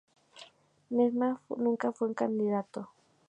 Nesma nunca fue un candidato.